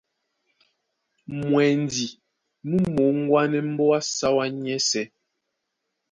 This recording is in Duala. Mwɛndi mú mōŋgwanɛɛ́ mbóa á sáwá nyɛ́sɛ̄.